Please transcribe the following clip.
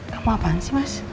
kamu apaan sih mas